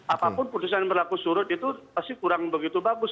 apapun putusan yang berlaku surut itu pasti kurang begitu bagus